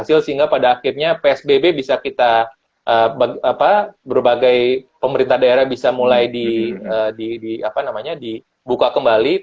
sehingga pada akhirnya psbb bisa kita berbagai pemerintah daerah bisa mulai dibuka kembali